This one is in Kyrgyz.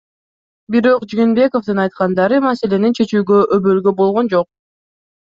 Бирок Жээнбековдун айткандары маселени чечүүгө өбөлгө болгон жок.